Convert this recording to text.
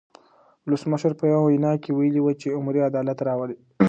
ولسمشر په یوه وینا کې ویلي وو چې عمري عدالت راولي.